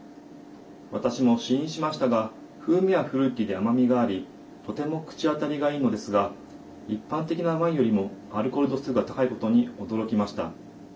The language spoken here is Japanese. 私も試飲しましたが風味はフルーティーで甘みがありとても口当たりがいいのですが一般的なワインよりもアルコール度数が高いことに驚きました。